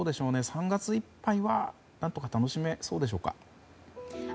３月いっぱいは何とか楽しめそうでしょうか。